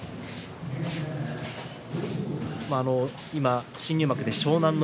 今、新入幕で湘南乃